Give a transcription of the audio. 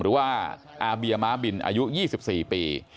หรือว่าอาเบียม้าบินอายุ๒๔ปี